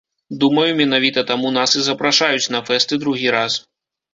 Думаю, менавіта таму нас і запрашаюць на фэсты другі раз.